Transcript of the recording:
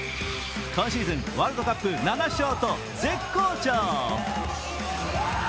今シーズン、ワールドカップ７勝と絶好調。